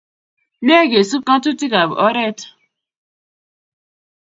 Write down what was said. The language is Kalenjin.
Mye kesup ng'atutik ap oret